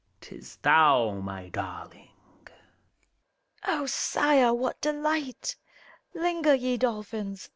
'T is thou, my darling ! GALATEA. 0, Sire! what delight! Linger, ye dolphins